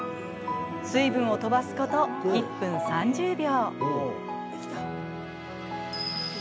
水分を飛ばすこと１分３０秒。